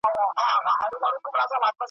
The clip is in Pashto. چي رګونه مي ژوندي وي له سارنګه له ربابه `